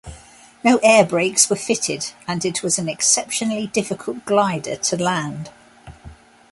No air brakes were fitted and it was an exceptionally difficult glider to land.